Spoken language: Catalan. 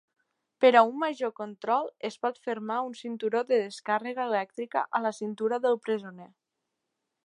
Per a un major control, es pot fermar un cinturó de descàrrega elèctrica a la cintura del presoner.